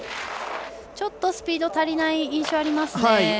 スピード足りない印象あります。